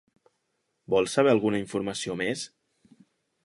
Vol saber alguna informació més?